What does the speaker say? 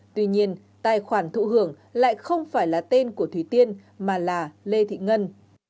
tuy nhiên tài khoản thụ hưởng lại không phải là tên của thúy tiên mà là lê thị ngân